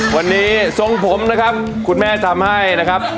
วันนี้ทรงผมนะครับคุณแม่ทำให้นะครับ